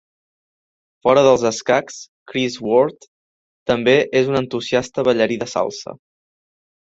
Fora dels escacs, Chris Ward també és un entusiasta ballarí de salsa.